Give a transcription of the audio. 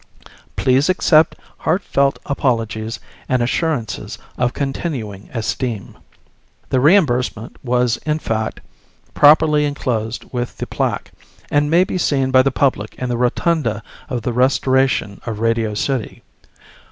Please accept heartfelt apologies and assurances of continuing esteem. The reimbursement was in fact properly enclosed with the plaque, and may be seen by the public in the rotunda of the restoration of Radio City.